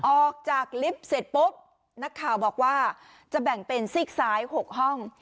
ออกจากลิฟต์เสร็จปุ๊บนักข่าวบอกว่าจะแบ่งเป็นซีกซ้าย๖ห้อง